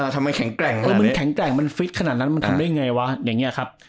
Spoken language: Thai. ทำให้แข็งแกร่งมันแข็งแกร่งมันฟิตขนาดนั้นมันทำยังไงวะ